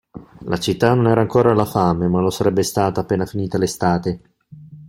La città non era ancora alla fame, ma lo sarebbe stata appena finita l'estate.